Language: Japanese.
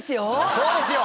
そうですよ！